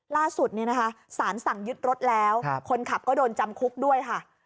ล่าสุดสารสั่งยึดรถแล้วคนขับก็โดนจำคุกด้วยค่ะ